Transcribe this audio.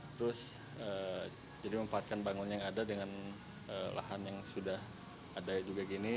terus jadi memanfaatkan bangunan yang ada dengan lahan yang sudah ada juga gini